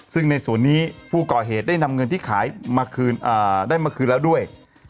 ซึ่งในนี่พูดก่อเหตุได้นำเงินที่ได้ขายมาคืนแล้วด้วย